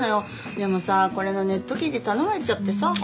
でもさこれのネット記事頼まれちゃってさ。